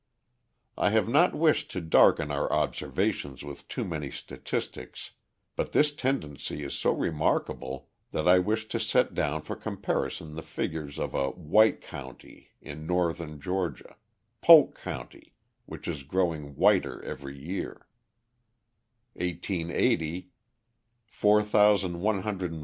I have not wished to darken our observations with too many statistics, but this tendency is so remarkable that I wish to set down for comparison the figures of a "white county" in northern Georgia Polk County which is growing whiter every year.